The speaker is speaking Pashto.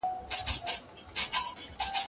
سمه لار بریا ته رسېږي.